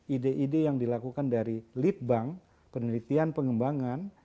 ide ide yang dilakukan dari lead bank penelitian pengembangan